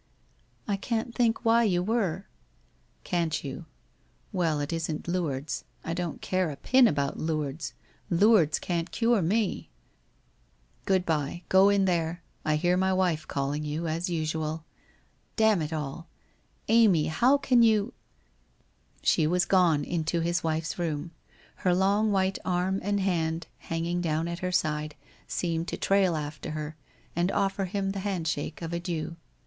' I can't think why you were ?'* Can't you ? Well, it isn't Lourdes — I don't care a pin about Lourdes — Lourdes can't cure me ! Good bye, WHITE ROSE OF WEARY LEAF 323 go in there, I hear my wife calling you, as usual. Damn it all ! Amy, how can you ?' She was gone into his wife's room. Her long white arm and hand hanging down at her side, seemed to trail after her, and offer him the handshake of adieu.